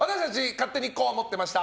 勝手にこう思ってました！